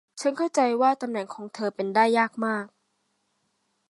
ฉันเข้าใจว่าตำแหน่งของเธอเป็นได้ยากมาก